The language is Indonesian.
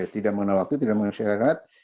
tidak mengenal waktu tidak mengenal syarakat